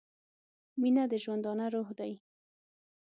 • مینه د ژوندانه روح دی.